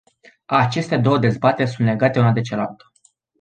Aceste două dezbateri sunt legate una de cealaltă.